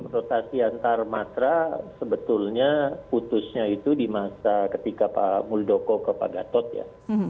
rotasi antarmatra sebetulnya putusnya itu di masa ketika pak muldoko ke pak gatot ya